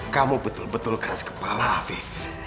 kamu betul betul keras kepala aku